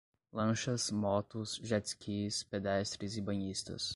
lanchas, motos, jet-skis, pedestres e banhistas